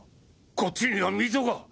こっちには溝が。